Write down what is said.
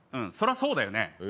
そりゃそうだよね。